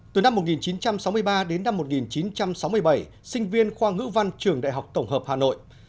từ năm một nghìn chín trăm sáu mươi ba đến năm một nghìn chín trăm sáu mươi bảy sinh viên khoa ngữ văn trường đại học tổng hợp hà nội